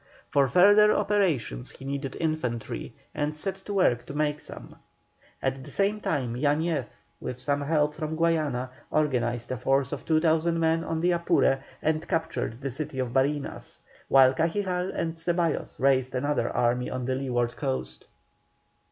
For further operations he needed infantry, and set to work to make some. At the same time Yañez, with some help from Guayana, organized a force of 2,000 men on the Apure, and captured the city of Barinas, while Cajigal and Ceballos raised another army on the leeward coast.